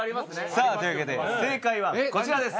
さあというわけで正解はこちらです。